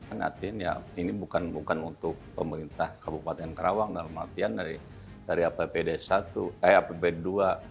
artinya ini bukan bukan untuk pemerintah kabupaten karawang dalam artian dari dari apbd satu eh apbd dua